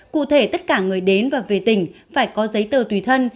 cụ thể tất cả người đến và về tỉnh phải có giấy tờ tùy thân